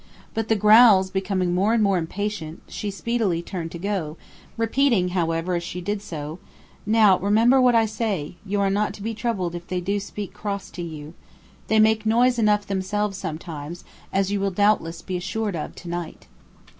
But the growls becoming more and more impatient she speedily turned to go, repeating, however, as she did so, "Now remember what I say, you are not to be troubled if they do speak cross to you. They make noise enough themselves sometimes, as you will doubtless be assured of to night."